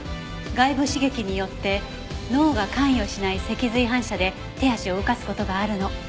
外部刺激によって脳が関与しない脊髄反射で手足を動かす事があるの。